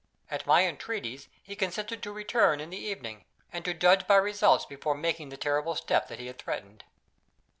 At my entreaties he consented to return in the evening, and to judge by results before taking the terrible step that he had threatened.